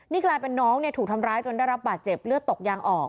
นี่กลายเป็นน้องถูกทำร้ายจนได้รับบาดเจ็บเลือดตกยางออก